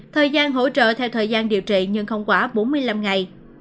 thời gian hỗ trợ theo thời gian điều trị nhưng không quá bốn mươi năm ngày